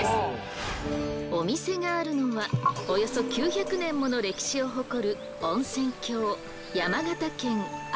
お店があるのはおよそ９００年もの歴史を誇る温泉郷